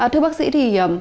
thưa bác sĩ thì